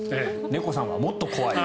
猫さんはもっと怖い。